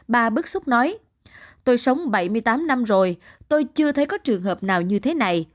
bà bức xúc nói tôi sống bảy mươi tám năm rồi tôi chưa thấy có trường hợp nào như thế này